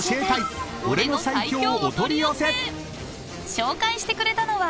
［紹介してくれたのは］